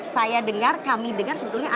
saya dengar kami dengar sebetulnya